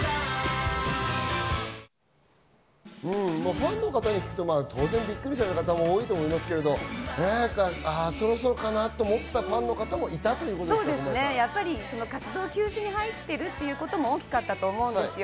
ファンの方の声を聞くとびっくりされた方も多いと思いますけれども、そろそろかなと思っていたファンの方も活動休止に入っていることも大きかったと思うんですよ。